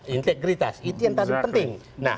integritas itu yang tadi penting